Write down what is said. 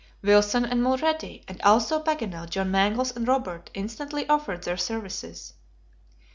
Wilson and Mulrady, and also Paganel, John Mangles and Robert instantly offered their services.